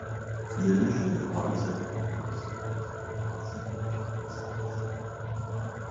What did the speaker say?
The National Parks and Wildlife Service provides several camping sites.